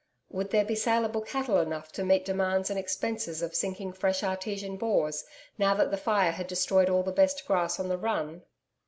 Would there be saleable cattle enough to meet demands and expenses of sinking fresh artesian bores now that the fire had destroyed all the best grass on the run?